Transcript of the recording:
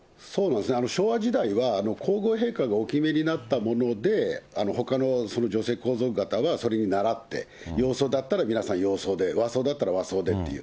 昭和時代は、皇后陛下がお決めになったもので、ほかのその女性皇族方はそれにならって、洋装だったら皆さん洋装で、和装だったら和装でっていう。